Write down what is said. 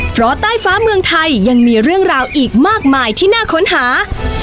เพราะใต้ฟ้าเมืองไทยยังมีเรื่องราวอีกมากมายที่น่าค้นหา